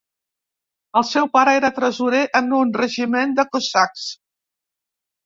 El seu pare era tresorer en un regiment de cosacs.